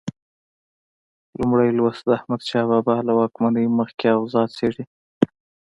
لومړی لوست د احمدشاه بابا له واکمنۍ مخکې اوضاع څېړي.